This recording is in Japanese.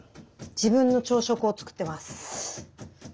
自分の朝食を作ってます。